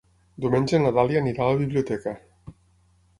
Diumenge na Dàlia anirà a la biblioteca.